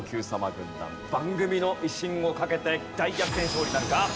軍団番組の威信をかけて大逆転勝利なるか？